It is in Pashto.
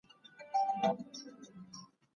د راتلونکي نسل لپاره، د کیفی روزني اړتیا سته.